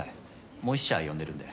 もう１社呼んでるんで。